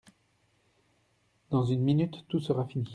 Dans une minute tout sera fini.